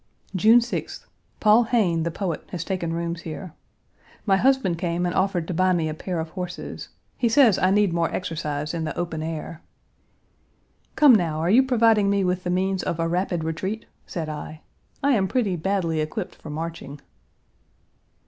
June 6th. Paul Hayne, the poet, has taken rooms here. My husband came and offered to buy me a pair of horses. He says I need more exercise in the open air. "Come, now, are you providing me with the means of a rapid retreat?" said I. "I am pretty badly equipped for marching."